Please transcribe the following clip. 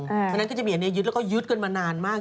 เพราะฉะนั้นก็จะมีอันนี้ยึดแล้วก็ยึดกันมานานมาก